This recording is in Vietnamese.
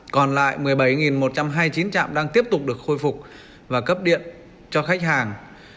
còn lại một mươi bảy một trăm hai mươi chín chạm đang tiếp tục được khôi phục và cấp điện cho khách hàng